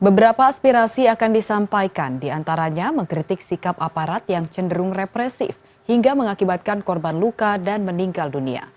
beberapa aspirasi akan disampaikan diantaranya mengkritik sikap aparat yang cenderung represif hingga mengakibatkan korban luka dan meninggal dunia